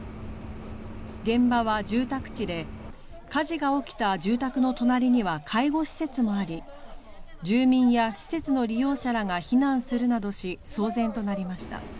現場は住宅地で火事が起きた住宅の隣には介護施設もあり住民や施設の利用者らが避難するなどし騒然となりました。